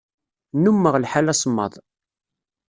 Nnummeɣ lḥal asemmaḍ.